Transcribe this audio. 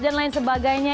dan lain sebagainya